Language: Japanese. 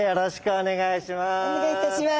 お願いいたします。